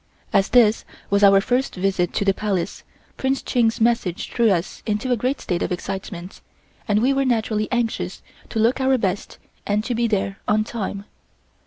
As this was our first visit to the Palace, Prince Ching's message threw us into a great state of excitement, and we were naturally anxious to look our best and to be there on time.